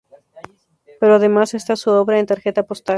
Pero además está su obra en tarjeta postal.